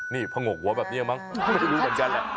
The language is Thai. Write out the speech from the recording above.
นี่ผงกหัวแบบนี้มั้งไม่รู้เหมือนกันแหละ